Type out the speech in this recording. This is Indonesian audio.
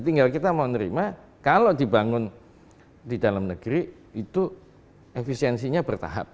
tinggal kita mau nerima kalau dibangun di dalam negeri itu efisiensinya bertahap